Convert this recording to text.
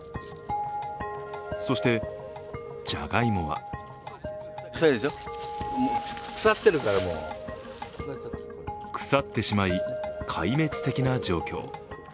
そして、ジャガイモは腐ってしまい、壊滅的な状況。